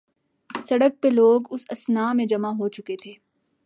سڑک پہ لوگ اس اثناء میں جمع ہوچکے تھے۔